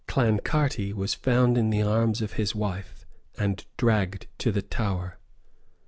Clancarty was found in the arms of his wife, and dragged to the Tower.